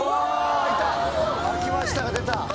「開きました」が出た。